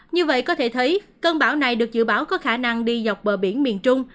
như vậy có thể thấy cơn bão này được dự báo có khả năng đi dọc bờ biển miền trung